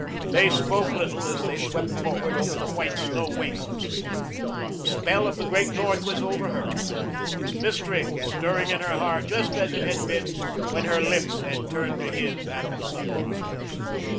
They spoke little as they swept forward over the white snow wastes. The spell of the great North was over her. Its mystery was stirring in her heart, just as it had been when her lips had turned to his at the sunrise.